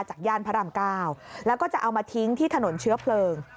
ย่านพระราม๙แล้วก็จะเอามาทิ้งที่ถนนเชื้อเพลิง